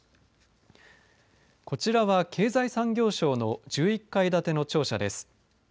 こちらは経済産業省の１１階建ての庁舎です。